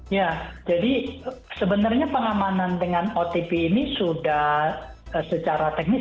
ya jadi sebenarnya pengamanan dengan otp ini sudah secara teknis